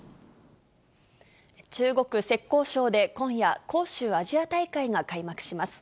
中国・浙江省で今夜、杭州アジア大会が開幕します。